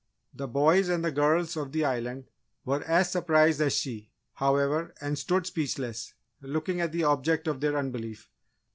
The boys and girls of the Island were as surprised as she, however, and stood speechless, looking at the object of their unbelief.